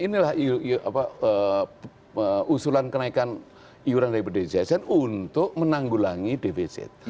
inilah usulan kenaikan iuran daripada dg sn untuk menanggulangi defisit